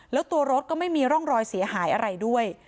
แล้วตัวรถก็ไม่มีร่องรอยเสียหายอะไรด้วย